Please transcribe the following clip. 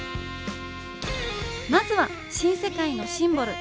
まずは新世界のシンボル